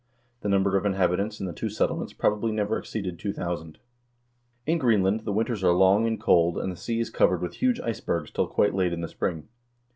The number of inhab itants in the two settlements probably never exceeded 2000. In Greenland the winters are long and cold, and the sea is covered with huge icebergs till quite late in the spring.